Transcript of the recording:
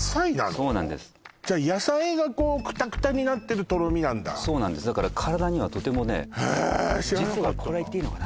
そうなんですじゃあ野菜がこうクタクタになってるとろみなんだそうなんですだから体にはとてもえ知らなかったこれは言っていいのかな？